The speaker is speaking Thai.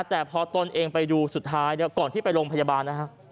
แต่พอตนเองไปดูสุดท้ายก่อนที่ไปโรงพยาบาลนะฮะ